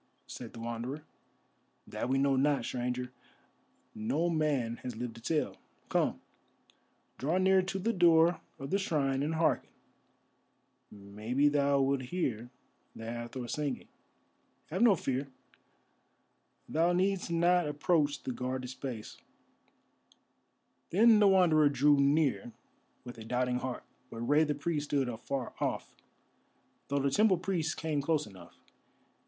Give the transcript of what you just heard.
said the Wanderer. "That we know not, Stranger; no man has lived to tell. Come, draw near to the door of the shrine and hearken, maybe thou wilt hear the Hathor singing. Have no fear; thou needst not approach the guarded space." Then the Wanderer drew near with a doubting heart, but Rei the Priest stood afar off, though the temple priests came close enough.